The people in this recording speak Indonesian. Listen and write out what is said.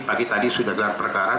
pagi tadi sudah dengan perkawinan